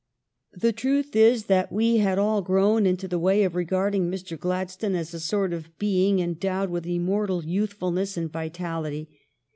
The truth is that we had all grown into the way of regarding Mr. Gladstone as a sort of being endowed with immortal youthful ness and vitality.